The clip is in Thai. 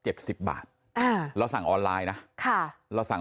สิบบาทอ่าเราสั่งออนไลน์นะค่ะเราสั่ง